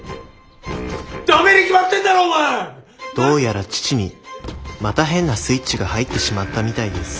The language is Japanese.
どうやら父にまた変なスイッチが入ってしまったみたいです